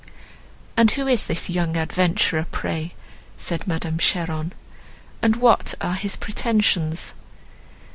"And who is this young adventurer, pray?" said Madame Cheron, "and what are his pretensions?"